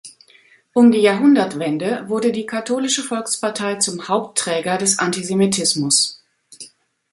Um die Jahrhundertwende wurde die Katholische Volkspartei zum Hauptträger des Antisemitismus.